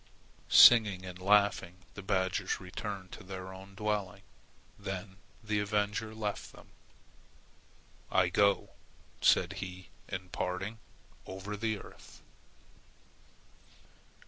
Singing and laughing, the badgers returned to their own dwelling. Then the avenger left them. "I go," said he in parting, "over the earth."